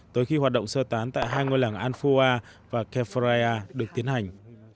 tới khi hoạt động sơ tán tại hai ngôi làng anfoa và kefraya được tiến hành